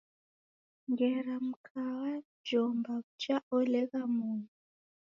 Ngera Mkawajomba w’uja olegha mumi?